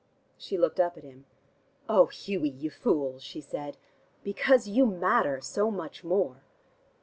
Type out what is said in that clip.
She looked up at him. "Oh, Hughie, you fool," she said. "Because you matter so much more."